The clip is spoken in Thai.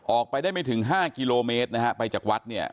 ออกไปได้ไม่ถึง๕กิโลเมตรนะฮะไปจากวัดเนี่ย